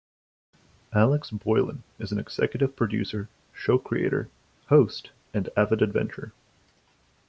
Alex Boylan is an executive producer, show creator, host and avid adventurer.